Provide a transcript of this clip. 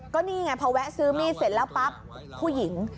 ก็นี่ไงพอแวะซื้อมีดเสร็จแล้วปั๊บผู้หญิง